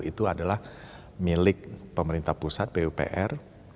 itu adalah milik pemerintah pusat pupr